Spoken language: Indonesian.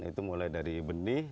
itu mulai dari benih